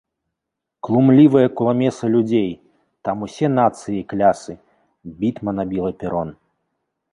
Клумлівая куламеса людзей — там усе нацыі і клясы — бітма набіла перон.